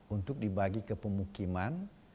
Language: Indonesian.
untuk dibagi ke pemukiman